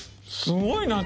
すごいな！